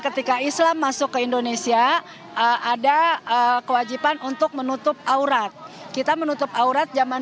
ketika islam masuk ke indonesia ada kewajiban untuk menutup aurat kita menutup aurat zaman